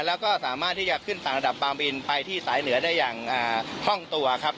แล้วก็สามารถที่จะขึ้นต่างระดับบางบินไปที่สายเหนือได้อย่างคล่องตัวครับ